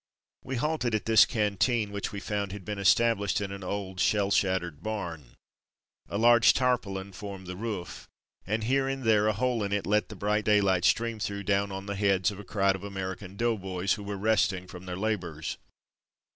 We halted at this canteen which we found had been established in an old, shell shattered barn. A large tar paulin formed the roof, and here and there a hole in it let the bright daylight stream through down on the heads of a crowd of American ^Moughboys^' who were rest ing from their labours.